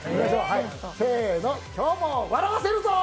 せーの、今日も笑わせるぞー！